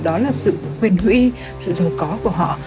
chúng ta có quyền hữu y sự giàu có của họ